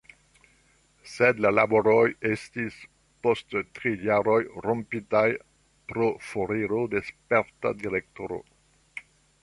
Sed la laboroj estis post tri jaroj rompitaj pro foriro de sperta direktoro.